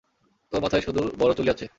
তোর মাথায় শুধু বড় চুলই আছে।